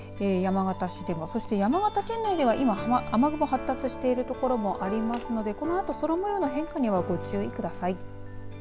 山形市でもそして山形県内では今雨雲発達してるところもありますのでこのあと空もようの変化にはご注意ください。